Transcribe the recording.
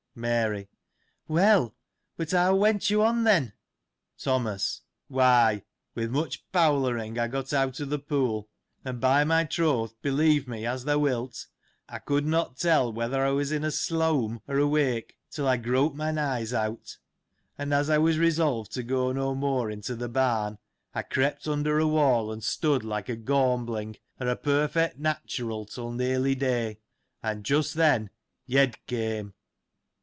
Mary. — Well : but how went you on, then ? Thomas. — Why, with much powlering, I got out of the pool ; and by my troth, believe me, as thou wilt, I could not tell whether I was in a sleawm} or awake, till I groped mine eyes ; and as I was resolved to go no more into the barn, I crept under a wall, and stood like a gawmbling,^ or a perfect natural, till nearly day : and just then, Yed came.